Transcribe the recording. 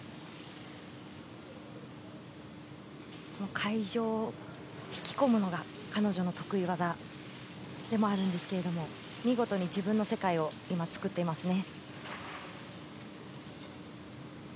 会場を引き込むのが彼女の得意技でもあるんですが見事に自分の世界を作っていますね。